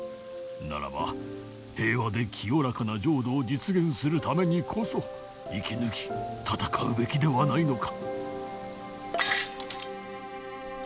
ならば平和で清らかな浄土を実現するためにこそ生き抜き戦うべきではないのか？